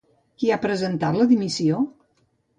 Qui ha presentat la dimissió?